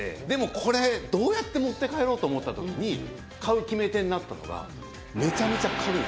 でもこれどうやって持って帰ろうと思ったときに買う決め手になったのが。